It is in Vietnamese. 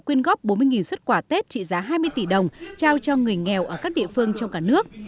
quyên góp bốn mươi xuất quà tết trị giá hai mươi tỷ đồng trao cho người nghèo ở các địa phương trong cả nước